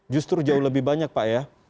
justru jauh lebih banyak pak ya